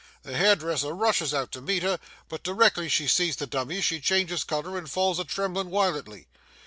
The hairdresser rushes out to meet her, but d'rectly she sees the dummies she changes colour and falls a tremblin' wiolently.